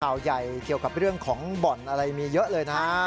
ข่าวใหญ่เกี่ยวกับเรื่องของบ่อนอะไรมีเยอะเลยนะฮะ